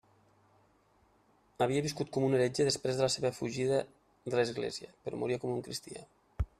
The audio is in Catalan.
Havia viscut com un heretge després de la seua fugida de l'església, però moria com un cristià.